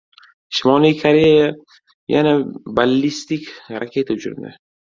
Shimoliy Koreya yana ballistik raketa uchirdi